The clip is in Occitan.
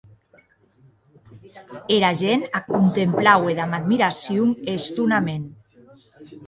Era gent ac contemplaue damb admiracion e estonament.